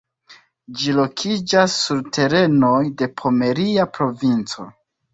Ĝi lokiĝas sur terenoj de Pomeria Provinco.